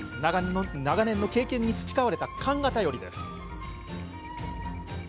長年の経験に培われた勘が頼りです。